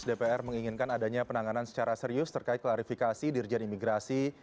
dpr menginginkan adanya penanganan secara serius terkait klarifikasi dirjen imigrasi